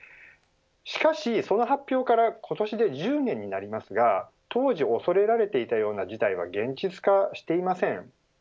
しかしその発表から今年で１０年になりますが当時、恐れられていたような事態は現実化していません。